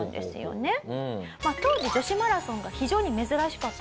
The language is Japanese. まあ当時女子マラソンが非常に珍しかったと。